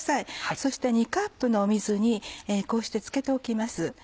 そして２カップの水にこうしてつけておきます。